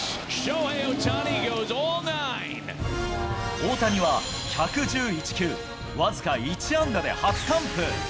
大谷は、１１１球、僅か１安打で初完封。